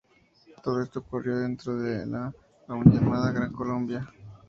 Todo esto ocurrió dentro de la, aún llamada, Gran Colombia.